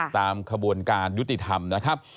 ตามขบวนการยุติธรรมนะครับ